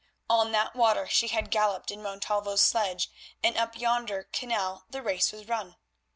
On that water she had galloped in Montalvo's sledge, and up yonder canal the race was run.